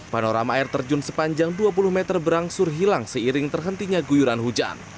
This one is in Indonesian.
panorama air terjun sepanjang dua puluh meter berangsur hilang seiring terhentinya guyuran hujan